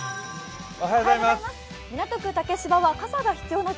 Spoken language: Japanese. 港区竹芝は傘が必要な